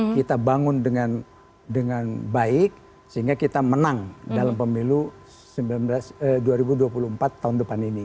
kita bangun dengan baik sehingga kita menang dalam pemilu dua ribu dua puluh empat tahun depan ini